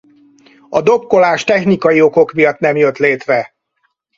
A dokkolás technikai okok miatt nem jött létre.